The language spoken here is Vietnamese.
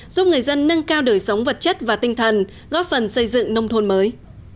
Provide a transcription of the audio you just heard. giúp người dân nâng cao đời sống vật chất và tinh thần góp phần xây dựng nông thôn mới